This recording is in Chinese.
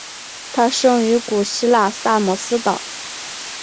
他生于古希腊萨摩斯岛。